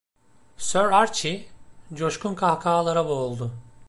Sir Archie, coşkun kahkahalara boğuldu.